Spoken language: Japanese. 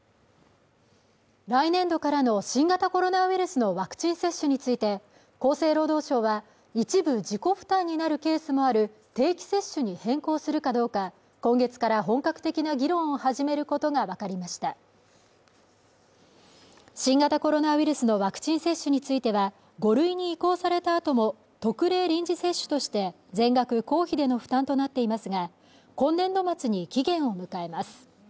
来年度からの新型コロナウイルスのワクチン接種について厚生労働省は一部自己負担になるケースもある定期接種に変更するかどうか今月から本格的な議論を始めることが分かりました新型コロナウイルスのワクチン接種については５類に移行されたあとも特例臨時接種として全額公費での負担となっていますが今年度末に期限を迎えます